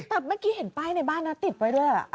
แต่เมื่อกี้เห็นป้ายในบ้านนะติดไว้ด้วย